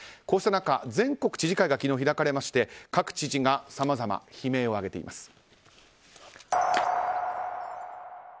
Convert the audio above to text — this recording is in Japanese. こうした中、全国知事会が昨日開かれまして各知事がさまざま悲鳴を上げています。